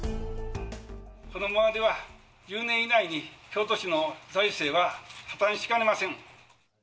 このままでは１０年以内に京都市の財政は破綻しかねません。